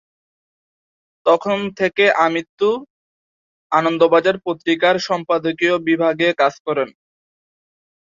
তখন থেকে আমৃত্যু আনন্দবাজার পত্রিকার সম্পাদকীয় বিভাগে কাজ করেন।